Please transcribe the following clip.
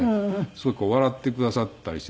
すごいこう笑ってくださったりしてなんか。